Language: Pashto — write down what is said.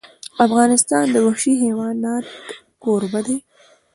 افغانستان د وحشي حیوانات کوربه دی.